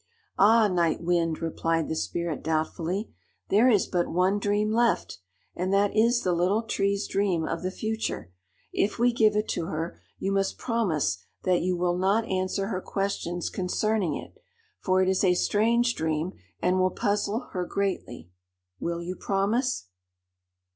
"Ah, Night Wind," replied the Spirit doubtfully, "there is but one dream left, and that is the Little Tree's dream of the future. If we give it to her, you must promise that you will not answer her questions concerning it. For it is a strange dream and will puzzle her greatly. Will you promise?"